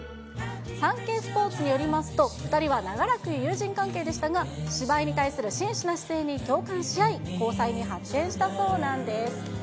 サンケイスポーツによりますと、２人は長らく友人関係でしたが、芝居に対する真摯な姿勢に共感し合い、交際に発展したそうなんです。